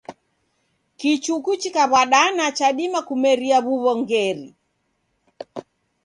Kichuku chikaw'adana chadima kumeria w'uw'ongeri.